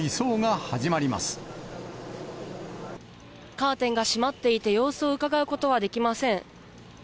カーテンが閉まっていて、様子をうかがうことはできません。